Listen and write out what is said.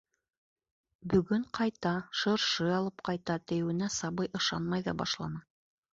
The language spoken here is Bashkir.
Бөгөн ҡайта, шыршы алып ҡайта, тиеүенә сабый ышанмай ҙа башланы.